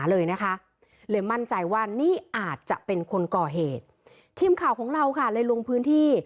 เลยนะคะเลยมั่นใจว่านี่อาจจะเป็นคนก่อเหตุทีมข่าวของเราค่ะเลยลงพื้นที่